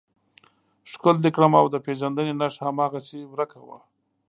ښکل دې کړم او د پېژندنې نښه هماغسې ورکه وه.